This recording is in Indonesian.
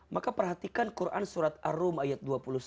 maka perhatikan quran surat arum ayat dua puluh satu